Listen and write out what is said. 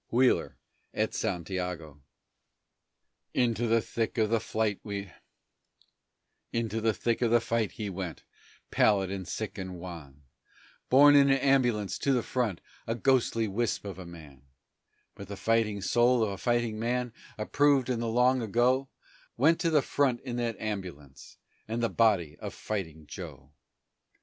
WHEELER AT SANTIAGO Into the thick of the fight he went, pallid and sick and wan, Borne in an ambulance to the front, a ghostly wisp of a man; But the fighting soul of a fighting man, approved in the long ago, Went to the front in that ambulance, and the body of Fighting Joe.